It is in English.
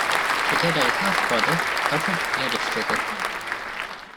She had a half brother Alfred Ledersteger.